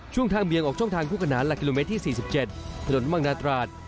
ช่วงทางเบียงออกช่องทางภูกขนาดละกิโลเมตรที่๔๗ผลดมักนาตราด